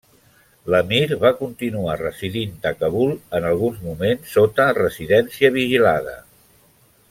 L'emir va continuar residint a Kabul, en alguns moments sota residència vigilada.